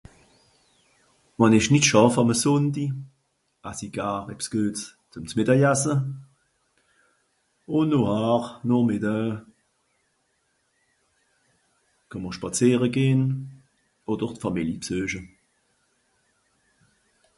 Wann ìch nìt schàff àme Sùnndi, ass i gar ebbs güet, ze (...). Ùn nohar, nochmiddoe, geh mr spàzìere gehn, odder d'Famili bsueche.